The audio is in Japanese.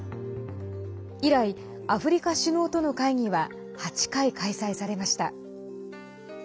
以来、アフリカ首脳との会議は８回開催されました。